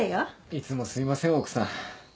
いつもすみません奥さん。